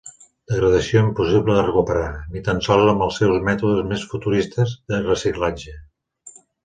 Degradació impossible de recuperar, ni tan sols amb els mètodes més futuristes de reciclatge.